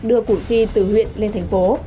đưa củ chi từ huyện lên thành phố